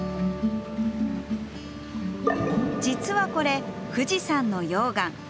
実はこれ、富士山の溶岩。